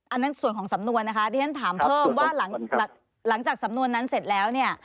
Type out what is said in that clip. อันนั้นส่วนของสำนวนนะคะที่ฉันถามเพิ่มว่าหลังจากสำนวนนั้นเสร็จแล้วเนี่ย